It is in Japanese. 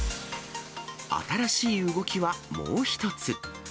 新しい動きはもう一つ。